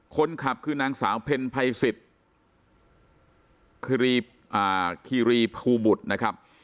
คนขับคือนางสาวเพ็ญภัยสิทธิ์คีรีภูบุตรนะครับ